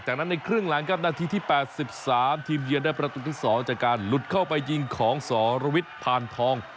จากนั้นในครึ่งหลังครับนาทีที่๘๓ทีมเยือนได้ประตูที่๒จากการหลุดเข้าไปยิงของสรวิทย์พานทอง